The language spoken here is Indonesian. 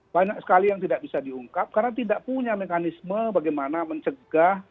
banyak sekali yang tidak bisa diungkap karena tidak punya mekanisme bagaimana mencegah